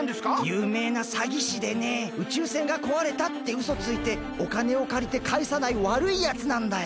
ゆうめいなさぎしでね「宇宙船がこわれた」ってうそついておかねをかりてかえさないわるいやつなんだよ！